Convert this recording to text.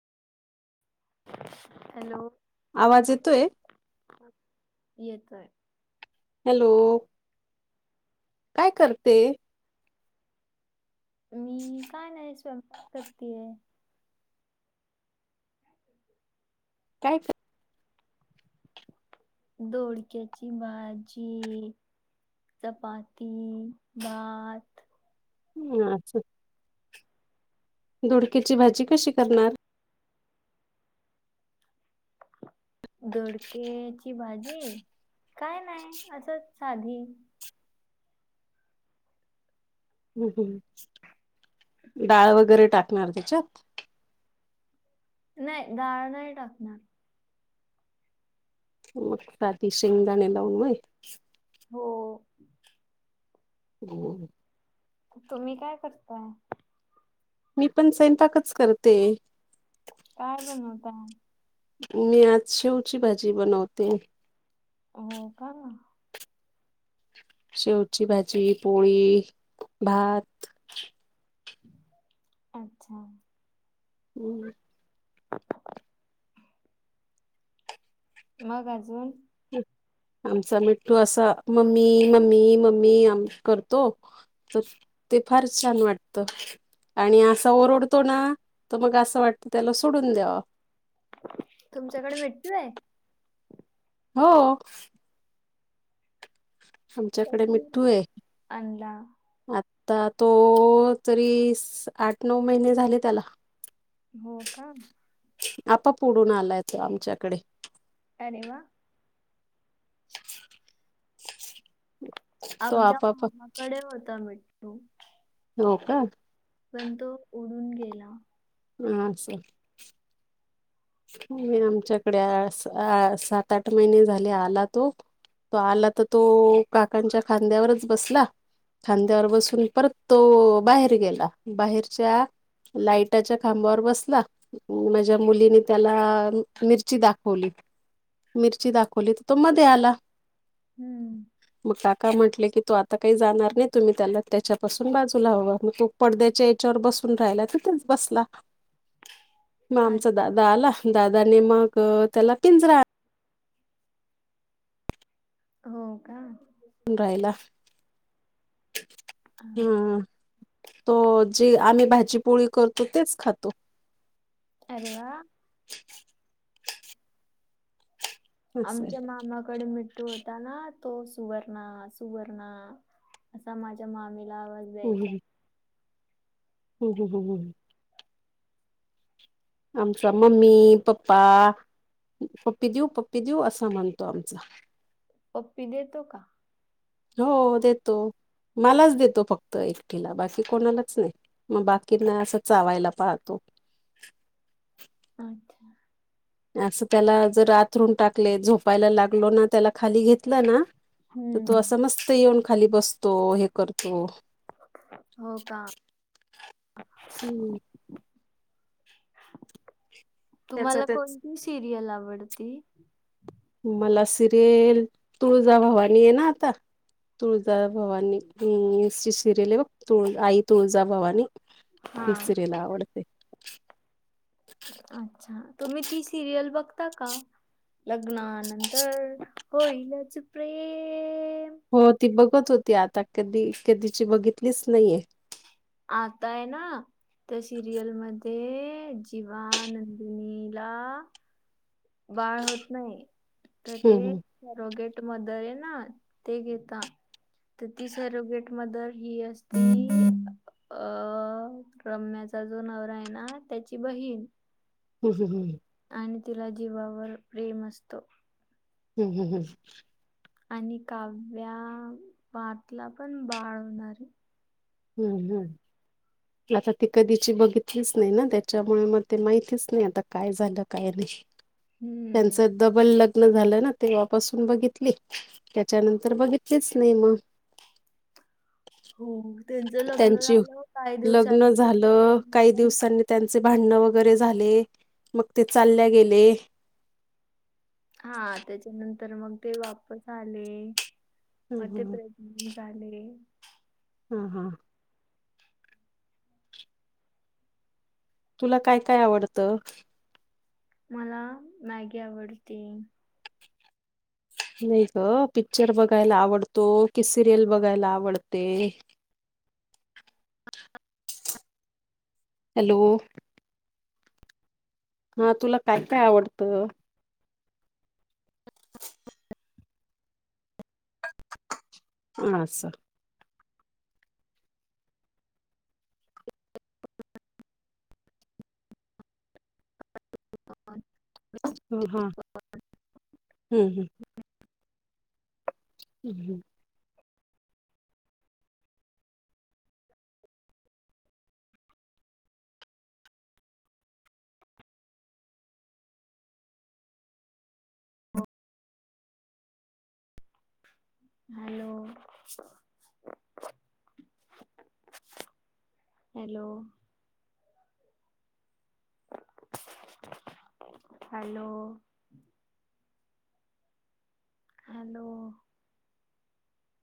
Hello आवाज येतोय येतोय हॅलो काय करते मी काय नाही स्वयंपाक करतीये कायच दोडक्याची भाजी चपाती भात ह अच्छा दडकीची भाजी कशी करणार दोडक्याची भाजी काय नाही असच साधी हम डाळ वगैरे टाकणार त्याच्यात? नाही डाळ नाही टाकणार. मंग त्याती शेंगदाणे लावून होय. हो हो तुम्ही काय करताय? मी पण स्यंपाकच करते. काय बनवताय? मी आज शेवची भाजी बनवते. हो का शेवची भाजी पोळी भात आच्छा हम.. मग अजून आमचा मिठू असा मम्मी मम्मी मम्मी आम करतो. तो तो ते फार छान वाटत. तो आणि असा ओरडतो ना तर मग असं वाटतं त्याला सोडून द्यावा तुमच्याकडे मिठू आहे. हो आमच्याकडे कधी मिठू आहे. आणला आता तो तरी आठ नऊ महिने झाले त्याला हो का आपाेप वुढून आलायतो आमच्याकडे अरे वा तो आमच्या आपाप मामाकडे होता मिठू हो का पण तो उडून गेला ह असे आमच्याकडे अस अस सात आठ महिने झाले आला तो तो आला त तो काकांच्या खांद्यावरच बसला खांद्यावर बसून परत तो बाहेर गेला बाहेरच्या लाईटाच्या खांबावर बसला माझ्या मुलीनी - त्याला मिरची दाखवली मिरची दाखवली तर तो मध्ये आला हम्म मग काका म्हंटले की तू आत - आता काही जाणार नाही तुम्ही त्याला त्याच्यापासून बाजूला हवा मग तो पडद्याच्या याच्यावर बसून राहिला तिथच बसला मं आ आमचा दादा आला, दादा नो मग त्याला पिंजरा- हों का? राहिला हा. हुं तो- जी आम्ही भाजीपोळी करतो तेच खातो. अरे वा! असं आहे आमच्या मामाकडे मिठू होता ना तो सुवर्णा सुवर्णा- असा माझ्या मामीला आवाज द्यायचा. हुं हुंहुं हुं आमचा मम्मी, पप्पा पप्पी देऊ! पप्पी देऊ! असं म्हणतो आमचा. पप्पी देतो का? हों देतो, मलाच देतो फक्त एकटीला बाकी कोणालाच नाही. मग बाकीनां असं चावायला पाहतो. अच्छा! असं त्याला जर आथरून टाकले झोपायला लागलो ना त्याला खाली घेतल ना तर तो हम्म असं मस्त येऊन खाली बसतो हे करतो हो का हम्म त्याच तुम्हाला त्याच कोणती सिरियल आवडती मला सिरियल तुळजा भवानी येनां आता तुळजा भवानी. हुं ती सिरियल आहे बघ तुळ आई तुळजाभवानी हा ही सिरियल आवड- अच्छा! तुम्ही ती सिरियल बघता का? लग्ना नं - तर होईलच प्रेम. हो ती बघत होती आता कधी कधीची बघितलीच नाहीये. आता यना- त्या सिरियलमध्ये जीवा नंदिनीला- बाळ होत नाही तर ते- हम्म सरोगेट मदरयेनां ते घेता- तर ती सरोगेट मदर ही असती - अं रम्याचा जो नवरा आहे नां त्याची बहीण. हुं हुं ह- आणि तिला जीवावर प्रेम असत. हुं हुंहुं आणि काव्या पार्थ ला पण बाळ होणारेय. हुं हुं आता ती कधी- ची बघितलीच नाही ना, त्याच्यामुळे मग ते माहितीच नाही आता काय झालं काय नाही. हुं त्यांच डबल लग्न झालं ना तेव्हापासून बघितली. त्याच्यानंतर बघितलीच नायी मग! हों तेंच- त्यांची लग्न झालं काही दिवसांनी- त्यांचे भांडण वगैरे झाले, मग ते चालल्या गेले. हां त्याच्यानं- तर मग ते वापस आले, ह मग ते ह प्रेगनेंट झाले. हां हां तुला काय काय आवडतं? मला मॅगी आवडते. नाही गं! पिक्चर बघायला आवडतो की सिरियल बघायला आवडते. हॅलो- हां तुला काय काय आवडतं? हां अस! हों हां हुं हुं हुं हुं हॅलो- [inaudible] हॅलो. हॅलो. हॅलो.